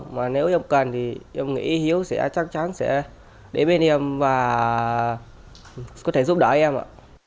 mà nếu em cần thì em nghĩ hiếu sẽ chắc chắn sẽ đến với em và có thể giúp đỡ em ạ